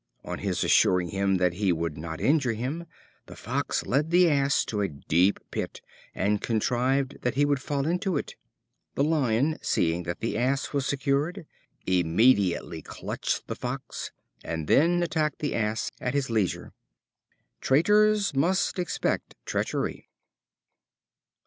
On his assuring him that he would not injure him, the Fox led the Ass to a deep pit, and contrived that he should fall into it. The Lion, seeing that the Ass was secured, immediately clutched the Fox, and then attacked the Ass at his leisure. Traitors must expect treachery.